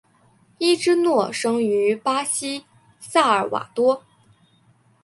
伊芝诺生于巴西萨尔瓦多。